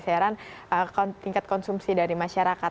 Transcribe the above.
keseiran tingkat konsumsi dari masyarakat